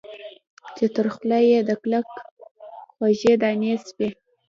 چي تر خوله یې د تلک خوږې دانې سوې